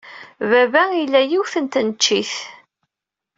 Baba ila yiwet n tneččit.